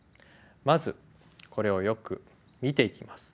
まずこれをよく見ていきます。